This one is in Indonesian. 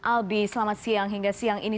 albi selamat siang hingga siang ini